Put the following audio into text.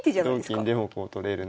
同金でもこう取れるので。